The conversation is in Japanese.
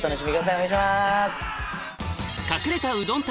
お願いします。